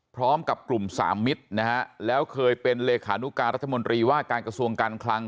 พร้อมกับกลุ่มสามมิตรนะฮะแล้วเคยเป็นเลขานุการรัฐมนตรีว่าการกระทรวงการคลัง